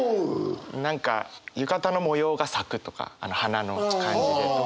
何か浴衣の模様が咲くとか花の感じでとか。